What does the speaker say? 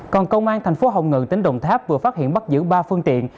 còn công an tp hồng ngự tỉnh đồng tháp vừa phát hiện bắt giữ ba phương tiện